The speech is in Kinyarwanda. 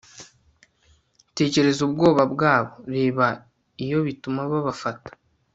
tekereza ubwoba bwabo reba iyo bituma babafata